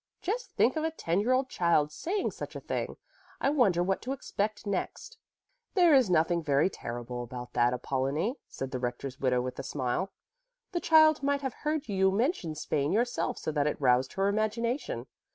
Just think of a ten year old child saying such a thing. I wonder what to expect next." "There is nothing very terrible about that, Apollonie," said the rector's widow with a smile. "The child might have heard you mention Spain yourself so that it roused her imagination.